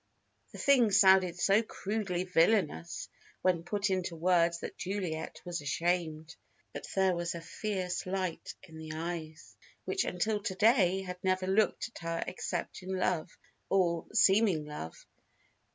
The thing sounded so crudely villainous when put into words that Juliet was ashamed. But there was a fierce light in the eyes which until to day had never looked at her except in love or seeming love.